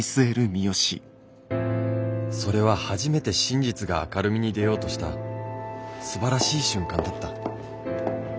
それは初めて真実が明るみに出ようとしたすばらしい瞬間だった。